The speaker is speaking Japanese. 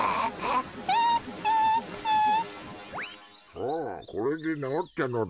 おおこれでなおったのだ。